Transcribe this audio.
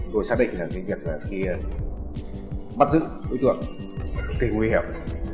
tôi xác định là cái việc khi bắt giữ đối tượng có thể nguy hiểm